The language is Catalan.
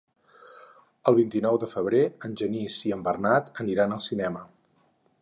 El vint-i-nou de febrer en Genís i en Bernat aniran al cinema.